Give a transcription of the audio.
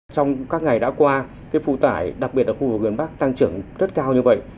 trong các ngày đã qua phụ tải đặc biệt là khu vực miền bắc tăng trưởng rất cao như vậy